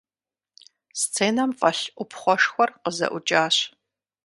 Сценэм фӀэлъ Ӏупхъуэшхуэр къызэӀукӀащ.